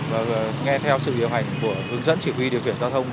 và nghe theo sự điều hành của hướng dẫn chỉ huy điều khiển giao thông